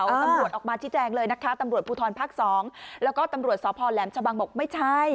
ตำรวจออกมาชี้แจงเลยนะคะตำรวจภูทรภาค๒แล้วก็ตำรวจสพแหลมชะบังบอกไม่ใช่